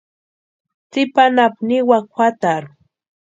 Tsipa anapu niwaka juatarhu.